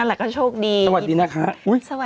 อืมก็ช่วงดีก็น่าการ